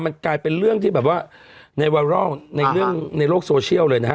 มันกลายเป็นเรื่องที่แบบว่าในโลกโซเชียลเลยนะฮะ